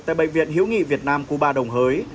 tại bệnh viện hiếu nghị việt nam cuba đồng hới